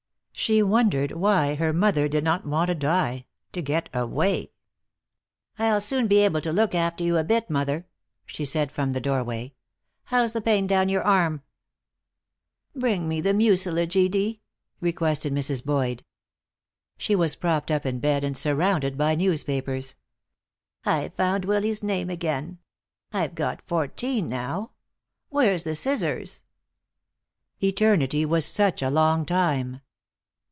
She wondered why her mother did not want to die, to get away. "I'll soon be able to look after you a bit, mother," she said from the doorway. "How's the pain down your arm?" "Bring me the mucilage, Edie," requested Mrs. Boyd. She was propped up in bed and surrounded by newspapers. "I've found Willy's name again. I've got fourteen now. Where's the scissors?" Eternity was such a long time.